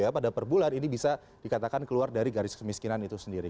pada per bulan ini bisa dikatakan keluar dari garis kemiskinan itu sendiri